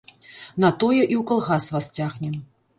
На тое і ў калгас вас цягнем.